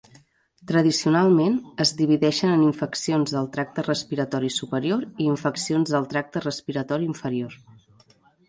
Tradicionalment, es divideixen en infeccions del tracte respiratori superior i infeccions del tracte respiratori inferior.